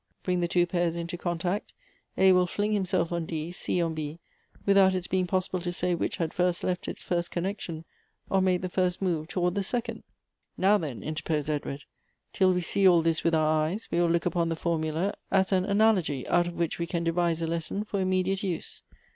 Bring the two pairs into contact ; A will fling himself on D, C on B» without its being possible to say which had first left its first connection, or made the first move towards the second." " Now then," intei posed Edward, " till we see all this with our eyes, we will look upon the foimula as an analogy, out of which we can devise a lesson for imme diate use.